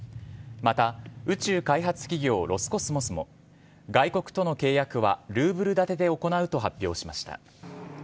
また宇宙開発企業・ロスコスモスも外国との契約はルーブル建てで行うと発表しました。